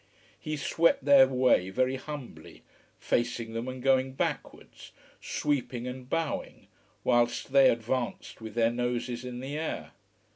He swept their way very humbly, facing them and going backwards, sweeping and bowing, whilst they advanced with their noses in the air.